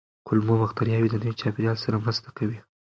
کولمو بکتریاوې د نوي چاپېریال سره مرسته کوي.